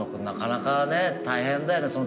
なかなかね大変だよね